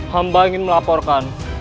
hamba ingin melaporkan